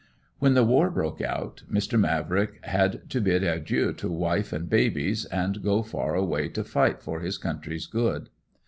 When the war broke out Mr. Mavrick had to bid adieu to wife and babies and go far away to fight for his country's good.